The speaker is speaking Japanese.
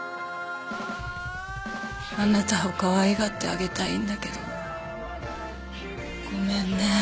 あなたをかわいがってあげたいんだけどごめんね